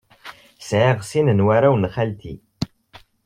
Sɛiɣ sin n warraw n xalti.